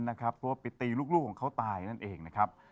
เพราะว่าไปตีลูกของเขาตายนั่นเองนะครับ